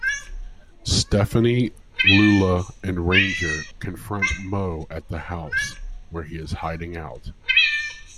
Stephanie, Lula, and Ranger confront Mo at the house, where he is hiding out.